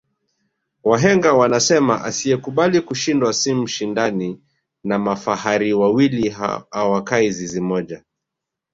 wahenga wanasema asiyekubali kushindwa si mshindani na mafahari wawili awakai zizi moja